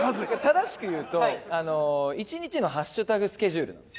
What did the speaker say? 正しく言うと１日のハッシュタグスケジュールなんです。